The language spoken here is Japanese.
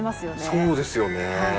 そうですよね。